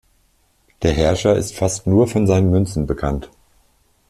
Der Herrscher ist fast nur von seinen Münzen bekannt.